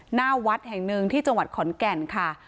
หน้าวัดแห่งหนึ่งที่จังหวัดขอนแก่นค่ะ